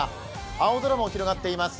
青空も広がっています。